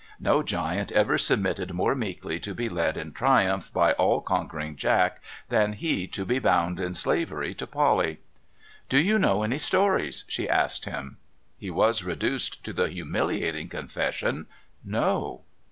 No giant ever submitted more meekly to be led in triumph by all conquering Jack than he to be bound in slavery to Polly. ' Do you know any stories ?' she asked him. He was reduced to the humiliating confession :' No.'